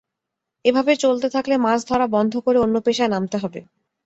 এভাবে চলতে থাকলে মাছ ধরা বন্ধ করে অন্য পেশায় নামতে হবে।